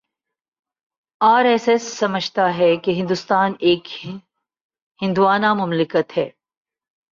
are S S سمجھتا ہے کہ ہندوستان ایک ہندووانہ مملکت ہے